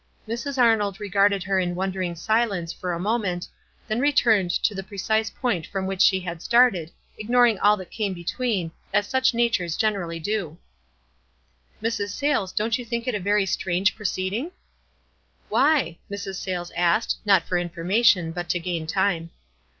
Mrs. Ar nold regarded her in wondering silence for a moment, then returned to the precise point from which she had started, ignoring all that came be tween, as such natures generally do. 170 WISE AND OTHERWISE. "Mrs. Sayles, don't you think it a very strange proceeding?" " Why?" Mrs. Sayles asked, not for informa tion, but to gain time.